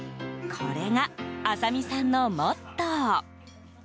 これが麻美さんのモットー。